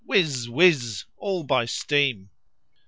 —whiz! whiz! all by steam!